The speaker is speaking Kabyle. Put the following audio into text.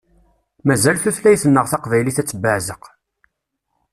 Mazal tutlayt-nneɣ taqbaylit ad tebbeɛzeq.